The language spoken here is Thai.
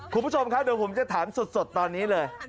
คุณผู้ชมครับเดี๋ยวผมจะถามสดตอนนี้เลย